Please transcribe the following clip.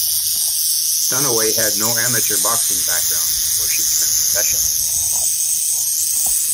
Dunaway had no amateur boxing background before she turned professional.